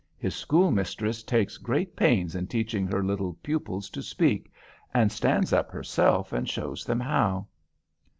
His schoolmistress takes great pains in teaching her little pupils to speak, and stands up herself and shows them how."